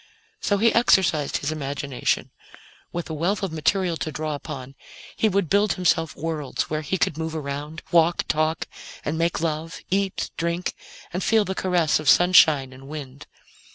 So he exercised his imagination. With a wealth of material to draw upon, he would build himself worlds where he could move around, walk, talk, and make love, eat, drink and feel the caress of sunshine and wind.